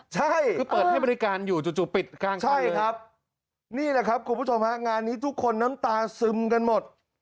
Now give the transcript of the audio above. ใช่คือเปิดให้บริการอยู่จู่ปิดกลางใช่ครับนี่แหละครับคุณผู้ชมฮะงานนี้ทุกคนน้ำตาซึมกันหมด